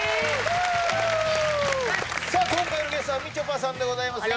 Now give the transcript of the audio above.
今回のゲストはみちょぱさんです